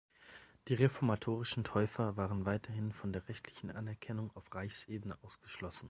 Die reformatorischen Täufer waren weiterhin von der rechtlichen Anerkennung auf Reichsebene ausgeschlossen.